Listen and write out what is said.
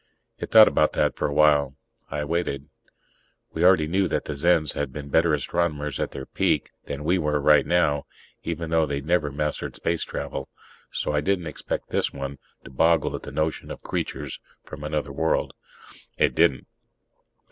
It thought about that for a while. I waited. We already knew that the Zens had been better astronomers at their peak than we were right now, even though they'd never mastered space travel; so I didn't expect this one to boggle at the notion of creatures from another world. It didn't.